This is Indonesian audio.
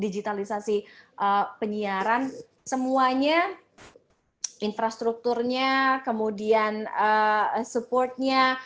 digitalisasi penyiaran semuanya infrastrukturnya kemudian support nya